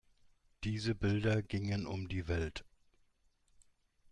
Diese Bilder gingen um die Welt.